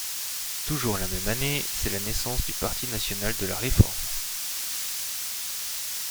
Toujours la même année, c'est la naissance du Parti National de la Réforme.